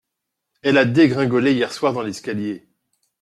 Elle a dégringolé hier soir dans l'escalier.